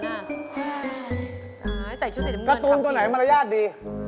ใส่ชื่อสีดำเงินคัมเหี่ยวคาร์ตูนตัวไหนมัลยาศดี